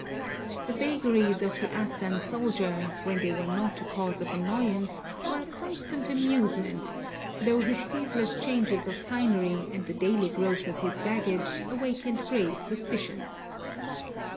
The vagaries of the Afghan soldier, when they were not a cause of annoyance, were a constant amusement, though his ceaseless changes of finery and the daily growth of his baggage awakened grave suspicions.